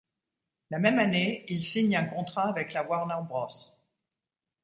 La même année, il signe un contrat avec la Warner Bros.